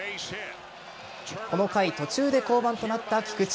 この回、途中で降板となった菊池。